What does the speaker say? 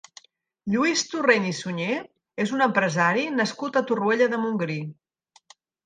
Lluís Torrent i Suñé és un empresari nascut a Torroella de Montgrí.